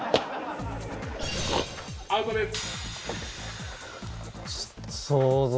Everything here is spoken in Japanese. アウトです。